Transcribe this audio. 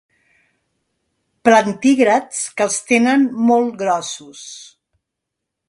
Plantígrads que els tenen molt grossos.